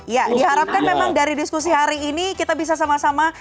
ya diharapkan memang dari diskusi hari ini kita bisa sama sama